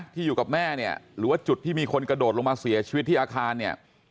อยู่กับแม่เนี่ยหรือว่าจุดที่มีคนกระโดดลงมาเสียชีวิตที่อาคารเนี่ย